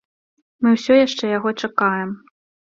Мы ўсё яшчэ яго чакаем.